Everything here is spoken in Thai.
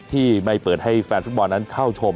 ที่ไม่เปิดให้แฟนฟุตบอลนั้นเข้าชม